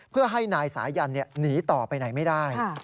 เพื่อให้นายสายันหนีต่อไปไหนไม่ได้